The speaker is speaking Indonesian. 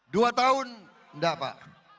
dua tahun enggak pak